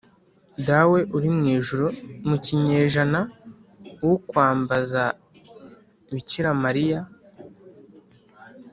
“dawe uri mu ijuru” mu kinyejana ukwambaza bikira mariya